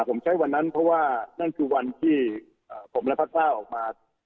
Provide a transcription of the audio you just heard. ผมใช้วันนั้นเพราะว่านั่นคือวันที่ผมและพระเก้าออกมา